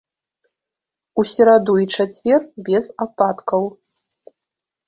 У сераду і чацвер без ападкаў.